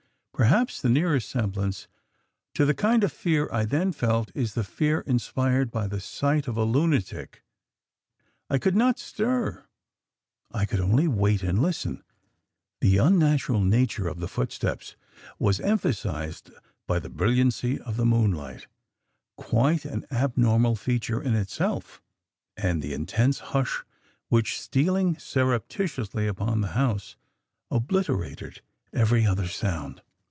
Perhaps the nearest semblance to the kind of fear I then felt is the fear inspired by the sight of a lunatic. I could not stir, I could only wait and listen. The unnatural nature of the footsteps was emphasised by the brilliancy of the moonlight quite an abnormal feature in itself and the intense hush, which, stealing surreptitiously upon the house, obliterated every other sound.